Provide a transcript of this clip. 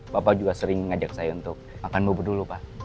bapak juga sering ngajak saya untuk makan bubur dulu pak